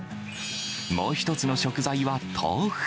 もう１つの食材は豆腐。